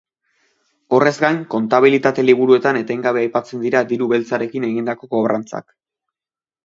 Horrez gain, kontabilitate-liburuetan etengabe aipatzen dira diru beltzarekin egindako kobrantzak.